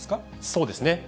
そうですね。